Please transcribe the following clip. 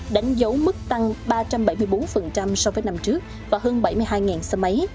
đánh dấu mức tăng ba trăm bảy mươi bốn so với năm trước và hơn bảy mươi hai xe máy